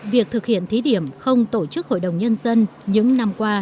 việc thực hiện thí điểm không tổ chức hội đồng nhân dân những năm qua